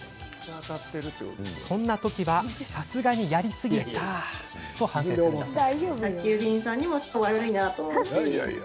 そんな時は、さすがにやりすぎたと反省するんだそうです。